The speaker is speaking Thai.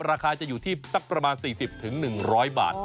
ราคาจะอยู่ที่สักประมาณ๔๐๑๐๐บาท